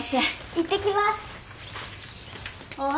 行ってきます！